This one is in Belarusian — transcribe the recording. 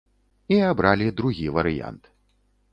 І абралі другі варыянт.